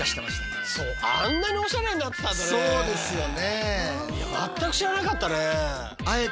そうですよね。